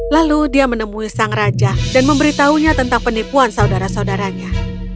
lalu dia menemui sang raja dan memberitahunya tentang penipuan saudara saudaranya